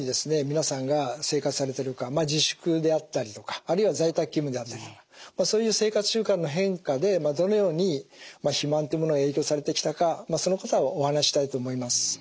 皆さんが生活されているか自粛であったりとかあるいは在宅勤務であったりとかそういう生活習慣の変化でどのように肥満というものに影響されてきたかそのことをお話ししたいと思います。